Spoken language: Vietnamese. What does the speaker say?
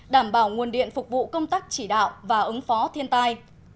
đảm bảo nguồn điện phục vụ công tác chỉ đạo và ứng phó thiên tai